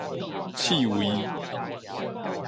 刺蝟